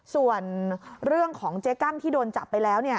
ส่วนเรื่องของเจ๊กั้งที่โดนจับไปแล้ว